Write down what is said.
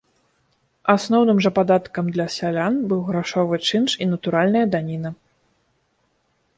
Асноўным жа падаткам для сялян быў грашовы чынш і натуральная даніна.